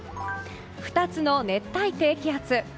２つの熱帯低気圧。